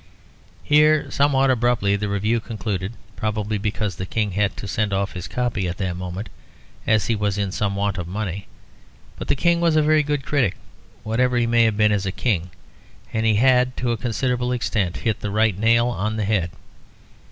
Here, somewhat abruptly, the review concluded, probably because the King had to send off his copy at that moment, as he was in some want of money. But the King was a very good critic, whatever he may have been as King, and he had, to a considerable extent, hit the right nail on the head.